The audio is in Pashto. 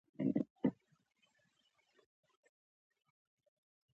د بورسونو په ویش کې هم د رییس لاسوهنه شته